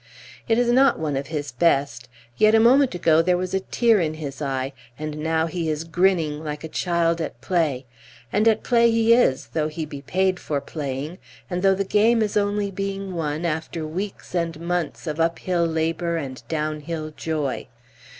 It is not one of his best; yet a moment ago there was a tear in his eye, and now he is grinning like a child at play. And at play he is, though he be paid for playing, and though the game is only being won after weeks and months of uphill labor and downhill joy.